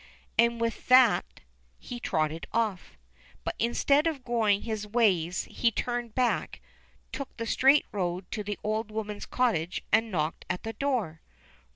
And with that he trotted off. But instead of going his ways he turned back, took the straight road to the old woman's cottage, and knocked at the door.